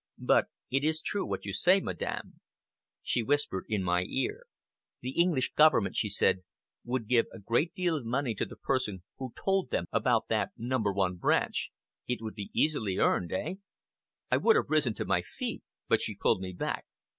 But it is true what you say, Madame." She whispered in my ear. "The English government," she said, "would give a great deal of money to the person who told them about that No. 1 Branch. It would be easily earned; eh?" I would have risen to my feet, but she pulled me back.